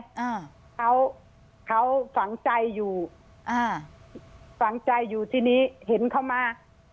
อ่าเขาเขาฝังใจอยู่อ่าฝังใจอยู่ทีนี้เห็นเขามา